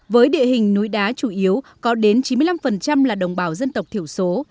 với địa hình núi đá chủ yếu có đến chín mươi năm là đồng bào dân tộc thiểu số